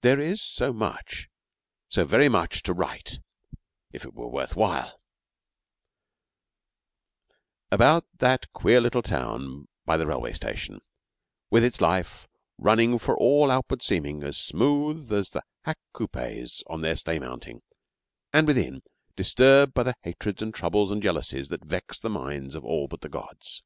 There is so much, so very much to write, if it were worth while, about that queer little town by the railway station, with its life running, to all outward seeming, as smoothly as the hack coupés on their sleigh mounting, and within disturbed by the hatreds and troubles and jealousies that vex the minds of all but the gods.